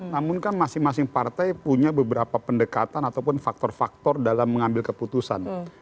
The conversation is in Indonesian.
namun kan masing masing partai punya beberapa pendekatan ataupun faktor faktor dalam mengambil keputusan